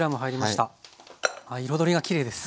彩りがきれいです。